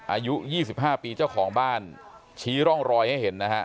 อายุ๒๕ปีเจ้าของบ้านชี้ร่องรอยให้เห็นนะฮะ